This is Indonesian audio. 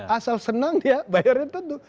asal senang ya bayarnya tentu